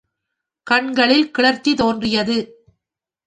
கண்களில் கிளர்ச்சி தோன்றியது.